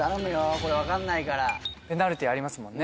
これ分かんないからペナルティーありますもんね